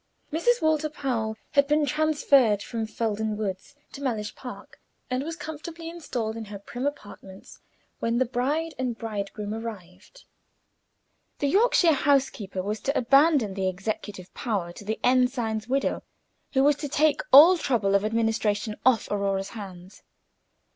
Mrs. Walter Powell had been transferred from Felden Woods to Mellish Park, and was comfortably installed in her prim apartments when the bride and bridegroom arrived. The Yorkshire housekeeper was to abandon the executive power to the ensign's widow, who was to take all trouble of administration off Aurora's hands.